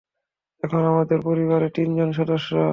এখন, আমাদের পরিবারে তিনজন সদস্য।